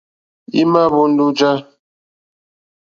Í má ǃhwóndó ǃjá.